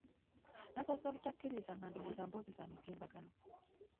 Nnasoose butakkiriza nga ndowooza nti mboozi za mitimbagano